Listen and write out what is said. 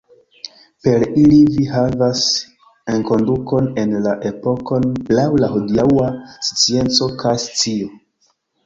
Per ili vi havas enkondukon en la epokon laŭ la hodiaŭa scienco kaj scio.